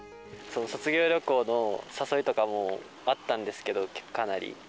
卒業旅行の誘いとかもあったんですけど、かなり。